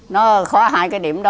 nó khó hai cái điểm đó